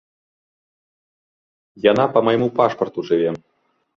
Яна па майму пашпарту жыве.